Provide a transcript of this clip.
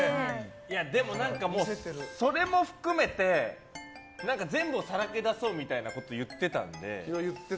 いやでも、それも含めて全部をさらけ出そうみたいなこと言ってたんで。